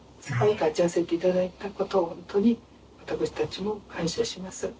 そこに立ち会わせていただいたことを本当に私たちも感謝します。